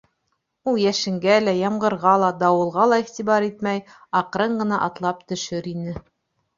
Ул йәшенгә лә, ямғырға ла, дауылға ла иғтибар итмәй, аҡрын ғына атлап төшөр ине.